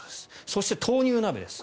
そして、豆乳鍋です。